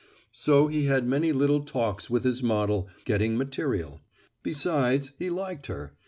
So he had many little talks with his model, getting material. Besides, he liked her.